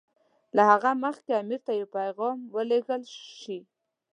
له هغه مخکې امیر ته یو پیغام ولېږل شي.